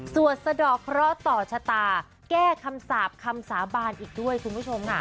สะดอกเคราะห์ต่อชะตาแก้คำสาปคำสาบานอีกด้วยคุณผู้ชมค่ะ